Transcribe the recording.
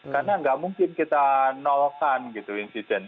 karena nggak mungkin kita nolkan insiden